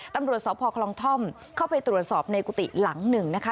ตำรวจสพคลองท่อมเข้าไปตรวจสอบในกุฏิหลังหนึ่งนะคะ